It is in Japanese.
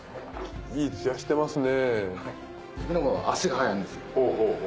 いいツヤしてますね。